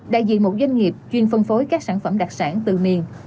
đại diện một doanh nghiệp chuyên phân phối các sản phẩm đặc sản từ miền